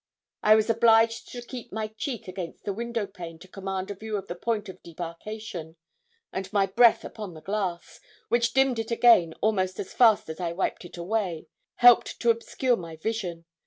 I was obliged to keep my cheek against the window pane to command a view of the point of debarkation, and my breath upon the glass, which dimmed it again almost as fast as I wiped it away, helped to obscure my vision.